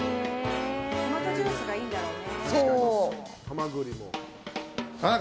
トマトジュースがいいんだろうね。